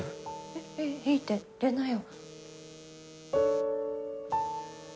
えっいいって出なよ。